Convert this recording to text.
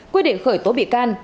hai quyết định khởi tố bị can